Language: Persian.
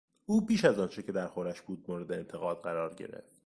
او بیش از آنچه که درخورش بود مورد انتقاد قرار گرفت.